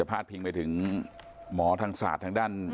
แต่ว่าเด็กมันไม่ได้กรุงมีความสุขออกของสาวเจ้านะครับ